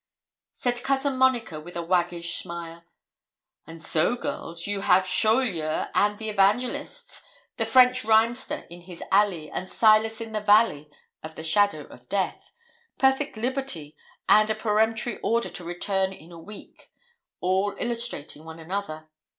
Said Cousin Monica, with a waggish smile 'And so, girls, you have Chaulieu and the evangelists; the French rhymester in his alley, and Silas in the valley of the shadow of death; perfect liberty, and a peremptory order to return in a week; all illustrating one another.